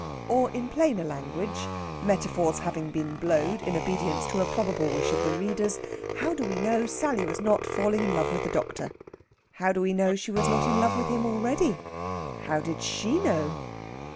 Or, in plainer language, metaphors having been blowed in obedience to a probable wish of the reader's, how do we know Sally was not falling in love with the doctor? How do we know she was not in love with him already? How did she know?